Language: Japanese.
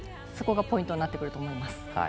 そこがポイントになってくると思います。